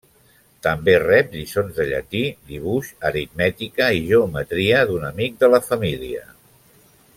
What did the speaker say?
També rep lliçons de llatí, dibuix, aritmètica i geometria d’un amic de la família.